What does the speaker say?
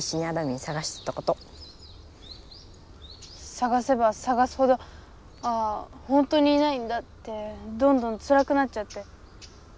さがせばさがすほどああほんとにいないんだってどんどんつらくなっちゃって。